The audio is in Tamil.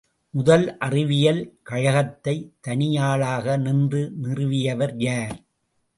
முதல் அறிவியல் கழகத்தைத் தனியாளாக நின்று நிறுவியவர் யார்?